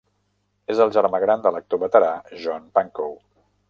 És el germà gran de l'actor veterà John Pankow.